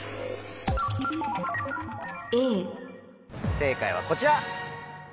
正解はこちら。